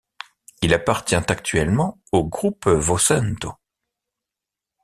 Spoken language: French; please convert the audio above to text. Il appartient actuellement au groupe Vocento.